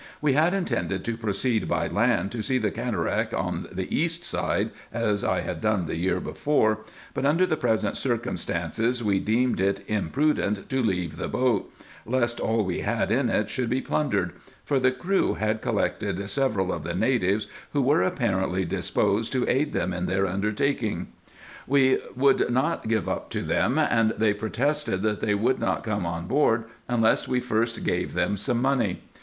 We had intended to proceed by land to see the cataract on the east side, as I had done the year before, but under the present circumstances we deemed it imprudent to leave the boat, lest all we had in it should be plundered ; for the crew had collected several of the natives, who were apparently disposed to aid them in their undertakings. We would not give up to them, and they protested that they would not come on board, unless we first gave them some money.